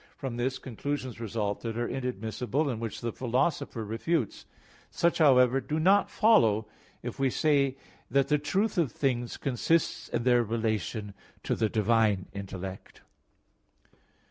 From this, conclusions result that are inadmissible, and which the Philosopher refutes (Metaph. iv). Such, however, do not follow, if we say that the truth of things consists in their relation to the divine intellect.